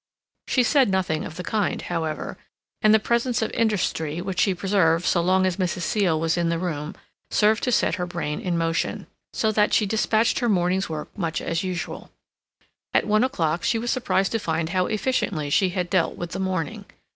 She said nothing of the kind, however, and the presence of industry which she preserved so long as Mrs. Seal was in the room served to set her brain in motion, so that she dispatched her morning's work much as usual. At one o'clock she was surprised to find how efficiently she had dealt with the morning.